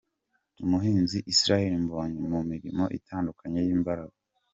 Umuhanzi Israel Mbonyi mu mirimo itandukanye y'imbaraga.